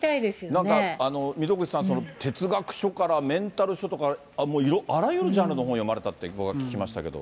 なんか溝口さん、哲学書からメンタル書とか、あらゆるジャンルの本を読まれたって聞きましたけど。